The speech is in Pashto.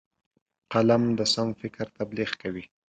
قلم د سم فکر تبلیغ کوي